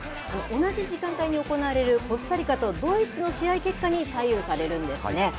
同じ時間帯に行われる、コスタリカとドイツの試合結果に左右されるんですね。